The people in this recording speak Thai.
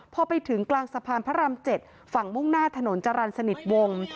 พอไปถึงกลางสะพานพระราม๗ฝั่งมุ่งหน้าถนนจรรย์สนิทวงศ์